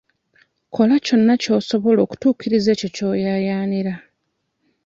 Kola kyonna ky'osobola okutuukiriza ekyo ky'oyaayaanira.